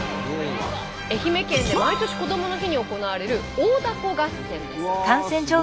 愛媛県で毎年こどもの日に行われる大凧合戦です。